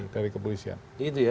dari kepolisian itu ya